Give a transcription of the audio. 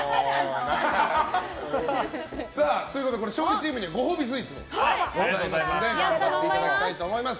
勝利チームにはご褒美スイーツがございますので頑張っていただきたいと思います。